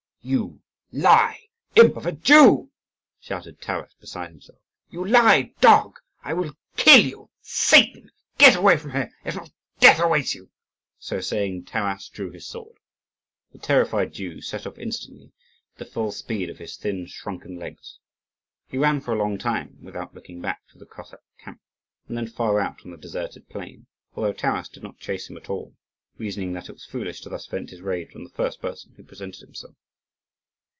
'" "You lie, imp of a Jew!" shouted Taras, beside himself. "You lie, dog! I will kill you, Satan! Get away from here! if not, death awaits you!" So saying, Taras drew his sword. The terrified Jew set off instantly, at the full speed of his thin, shrunken legs. He ran for a long time, without looking back, through the Cossack camp, and then far out on the deserted plain, although Taras did not chase him at all, reasoning that it was foolish to thus vent his rage on the first person who presented himself.